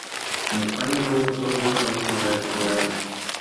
En España no hubo solo un Camino Real de Aragón.